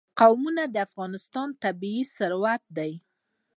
قومونه د افغانستان طبعي ثروت دی.